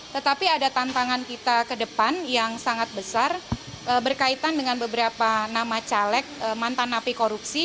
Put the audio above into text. tetapi ada tantangan kita ke depan yang sangat besar berkaitan dengan beberapa nama caleg mantan napi korupsi